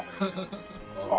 ああ！